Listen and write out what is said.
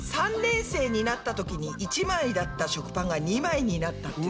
３年生になったときに１枚だった食パンが２枚になった。